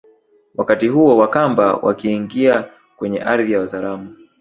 Wakati huo Wakamba wakiingia kwenye ardhi ya Wazaramo